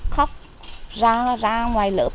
khóc ra ngoài lớp